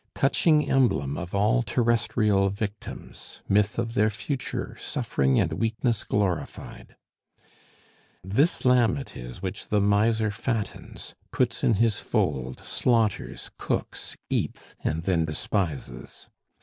touching emblem of all terrestrial victims, myth of their future, suffering and weakness glorified! This lamb it is which the miser fattens, puts in his fold, slaughters, cooks, eats, and then despises.